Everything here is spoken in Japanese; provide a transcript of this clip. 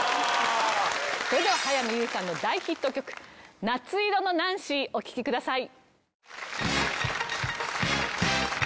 それでは早見優さんの大ヒット曲『夏色のナンシー』お聴きください。